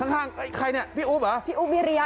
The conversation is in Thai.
ข้างใครเนี่ยพี่อุ๊บเหรอ